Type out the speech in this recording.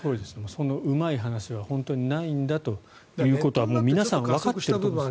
そんなうまい話はないんだということは皆さんわかっている。